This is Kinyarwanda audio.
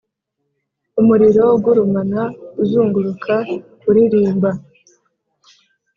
umuriro ugurumana uzunguruka uririmba,